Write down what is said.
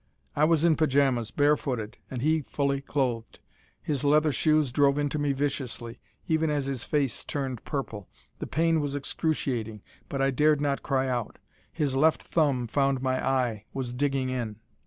I was in pyjamas, barefooted, he fully clothed. His leather shoes drove into me viciously, even as his face turned purple. The pain was excruciating, but I dared not cry out. His left thumb found my eye, was digging in.